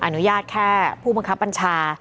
อนุญาตแค่ผู้บังคับบัญชา